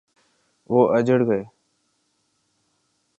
وہ اجڑ گئے۔